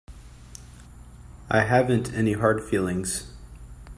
I haven't any hard feelings.